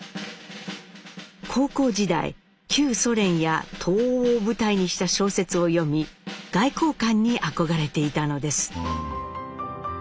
高校時代旧ソ連や東欧を舞台にした小説を読み外交官に憧れていたのです。